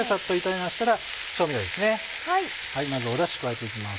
まずだし加えていきます。